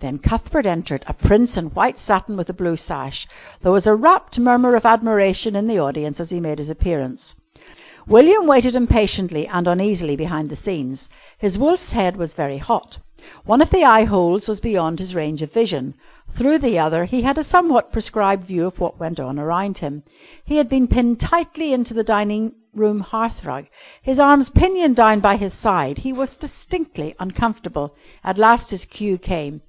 Then Cuthbert entered a Prince in white satin with a blue sash. There was a rapt murmur of admiration in the audience as he made his appearance. William waited impatiently and uneasily behind the scenes. His wolf's head was very hot. One of the eye holes was beyond his range of vision; through the other he had a somewhat prescribed view of what went on around him. He had been pinned tightly into the dining room hearth rug, his arms pinioned down by his side. He was distinctly uncomfortable. At last his cue came.